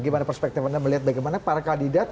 gimana perspektif anda melihat bagaimana para kandidat